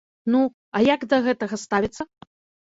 Ну а як да гэтага ставіцца?